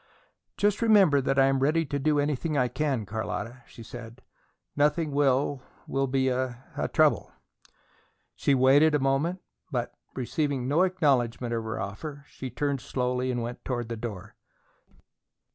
"Just remember that I am ready to do anything I can, Carlotta," she said. "Nothing will will be a trouble." She waited a moment, but, receiving no acknowledgement of her offer, she turned slowly and went toward the door.